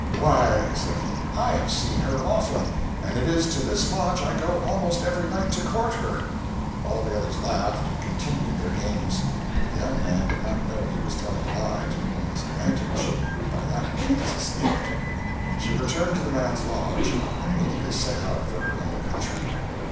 'Why,' said he, 'I have seen her often, and it is to this lodge I go almost every night to court her.' All the others laughed and continued their games. The young man did not know he was telling a lie to the woman's advantage, who by that means escaped. She returned to the man's lodge, and immediately set out for her own country.